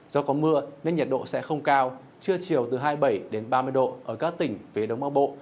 do có mưa nên nhiệt độ sẽ không cao trưa chiều từ hai mươi bảy đến ba mươi độ ở các tỉnh phía đông bắc bộ